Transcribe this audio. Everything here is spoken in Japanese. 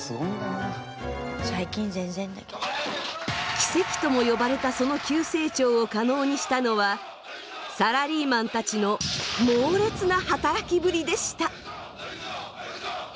奇跡とも呼ばれたその急成長を可能にしたのはサラリーマンたちのモーレツな働きぶりでした。